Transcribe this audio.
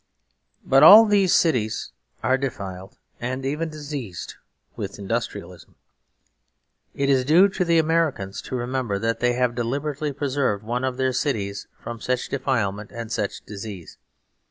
But all these cities are defiled and even diseased with industrialism. It is due to the Americans to remember that they have deliberately preserved one of their cities from such defilement and such disease.